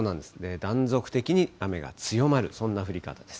断続的に雨が強まる、そんな降り方です。